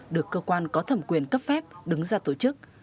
được cơ quan có thẩm quyền cấp phép đứng ra tổ chức